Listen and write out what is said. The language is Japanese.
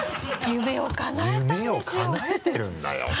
夢をかなえてるんだよ。